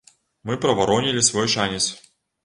Мы праваронілі свой шанец.